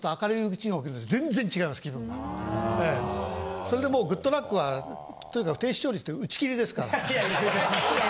それでもう『グッとラック！』はとにかく低視聴率で打ち切りですから。